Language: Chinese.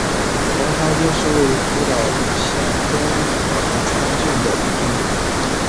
棚仓町是位于福岛县东白川郡的一町。